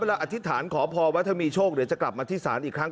แล้วอธิษฐานขอพรว่าถ้ามีโชคเดี๋ยวจะกลับมาที่ศาลอีกครั้ง